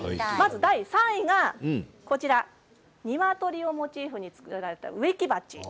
第３位がにわとりをモチーフに作られた植木鉢。